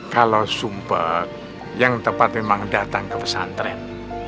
kalau sumpe yang tepat memang datang ke pesantren